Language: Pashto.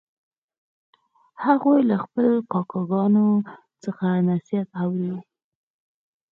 هغوی له خپلو کاکاګانو څخه نصیحت اوري